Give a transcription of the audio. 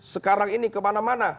sekarang ini kemana mana